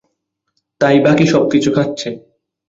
তাই বাকি সবকিছু খাচ্ছে।